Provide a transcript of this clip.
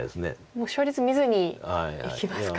もう勝率見ずにいきますか。